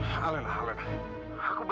ke rumah kamu